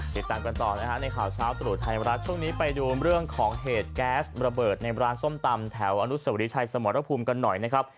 ติดตามกันต่อนะฮะในข่าวเช้าตรู่ไทยรัฐช่วงนี้ไปดูเรื่องของเหตุแก๊สระเบิดในร้านส้มตำแถวอนุสวรีชัยสมรภูมิกันหน่อยนะครับ